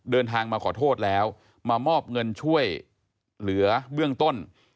เดินทางมาขอโทษแล้วมามอบเงินช่วยเหลือเบื้องต้น